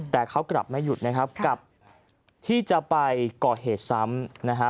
แต่เขากลับไม่หยุดกับที่จะไปก่อเหตุซ้ำ